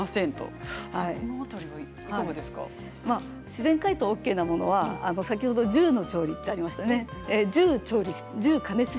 自然解凍ＯＫなものは先ほど１０調理してあると言っていましたね。